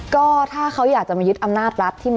ก็ถ้าเขาอยากจะมายึดอำนาจรัฐที่มา